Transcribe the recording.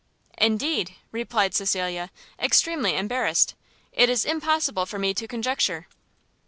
"Indeed," replied Cecilia, extremely embarrassed, "it is impossible for me to conjecture."